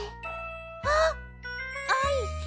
あっアイス！